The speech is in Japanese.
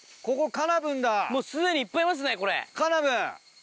カナブンだ！